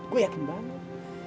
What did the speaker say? gue yakin banget